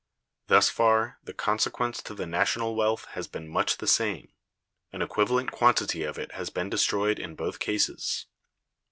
Thus far, the consequence to the national wealth has been much the same; an equivalent quantity of it has been destroyed in both cases.